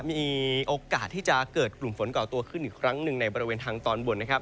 มีโอกาสที่จะเกิดกลุ่มฝนก่อตัวขึ้นอีกครั้งหนึ่งในบริเวณทางตอนบนนะครับ